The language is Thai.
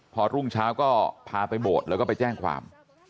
พอรุ่งเช้าก็พาไปโบสถ์แล้วก็ไปแจ้งความ